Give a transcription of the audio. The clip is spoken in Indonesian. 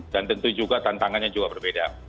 dan tentu juga tantangannya juga berbeda